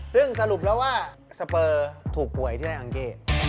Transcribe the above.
ซึ่งสรุปแล้วว่าสเปอร์ถูกหวยที่ได้อังเก้